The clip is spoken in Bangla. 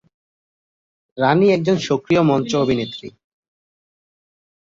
রানী একজন সক্রিয় মঞ্চ অভিনেত্রী।